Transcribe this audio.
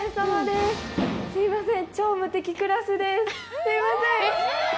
すいません。